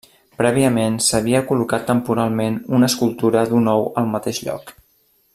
Prèviament s'havia col·locat temporalment una escultura d'un ou al mateix lloc.